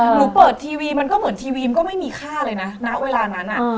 หนูเปิดทีวีมันก็เหมือนทีวีมันก็ไม่มีค่าเลยนะณเวลานั้น